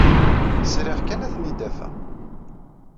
Sriɣ kan ad ten-id-afeɣ.